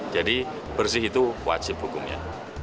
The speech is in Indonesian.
jadi bersih itu wajib hukumnya